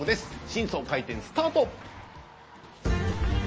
新装開店スタート。